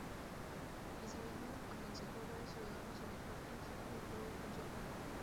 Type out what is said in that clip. Asimismo aconsejó a varios ciudadanos a dejar Tucson junto con su armada.